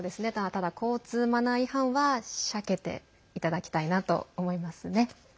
ただ、交通マナー違反はシャケていただきたいなと思いますね。